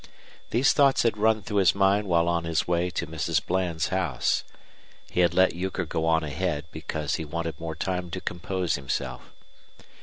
These thoughts had run through his mind while on his way to Mrs. Bland's house. He had let Euchre go on ahead because he wanted more time to compose himself.